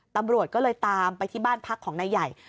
ตำรวจก็เลยตามไปที่บ้านพักของนายใหญ่